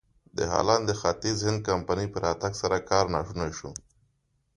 د هالنډ د ختیځ هند کمپنۍ په راتګ سره کار ناشونی شو.